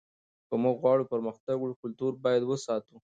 که موږ غواړو پرمختګ وکړو کلتور باید وساتو.